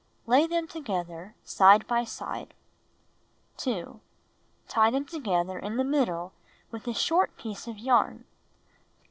Lay them together side by side. 2. Tie them together in the middle with a short piece of yarn.